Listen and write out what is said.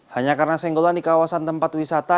hanya karena senggolan di kawasan tempat wisata